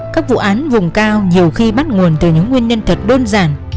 các vụ án vùng cao nhiều khi bắt nguồn từ những nguyên nhân thật đơn giản